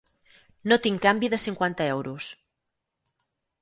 No tinc canvi de cinquanta euros.